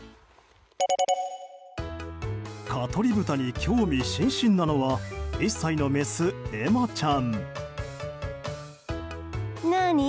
蚊取り豚に興味津々なのは１歳のメス、エマちゃん。